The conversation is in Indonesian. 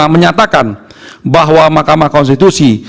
menyatakan bahwa mahkamah konstitusi